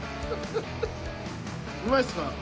うまいっすか？